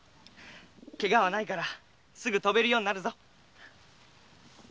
怪我はないからすぐ飛べるようになるぞ。